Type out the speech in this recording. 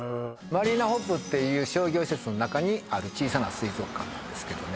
マリーナホップっていう商業施設の中にある小さな水族館なんですけどね